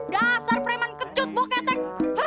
dasar preman kecut bokeh tek